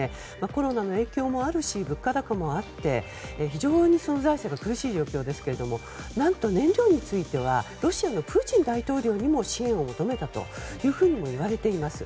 コロナの影響もあるし物価高もあって非常に財政が苦しい状況ですが何と燃料についてはロシアのプーチン大統領にも支援を求めたというふうにもいわれています。